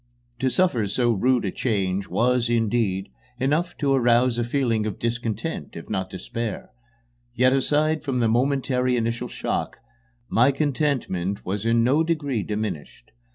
To suffer so rude a change was, indeed, enough to arouse a feeling of discontent, if not despair; yet, aside from the momentary initial shock, my contentment was in no degree diminished.